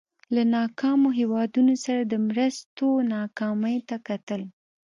له ناکامو هېوادونو سره د مرستو ناکامۍ ته کتل.